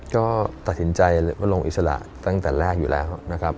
ก็ตัดสินใจว่าลงอิสระตั้งแต่แรกอยู่แล้วนะครับ